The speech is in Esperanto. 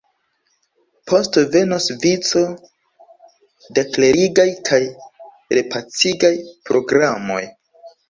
Poste venos vico da klerigaj kaj repacigaj programoj.